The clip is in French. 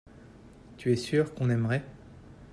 tu es sûr qu'on aimerait.